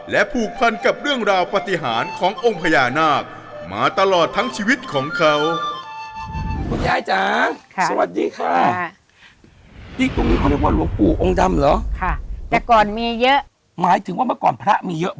และผูกพันกับเรื่องราวปฏิหารขององค์พญานาคมาตลอดทั้งชีวิตของเขา